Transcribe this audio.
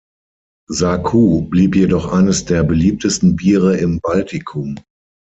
Saku blieb jedoch eines der beliebtesten Biere im Baltikum.